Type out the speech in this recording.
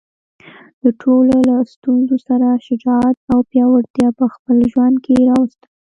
د ټولو له ستونزو سره شجاعت او پیاوړتیا په خپل ژوند کې راوستل.